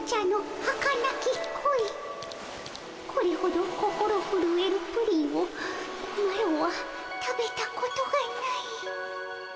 これほど心ふるえるプリンをマロは食べたことがない。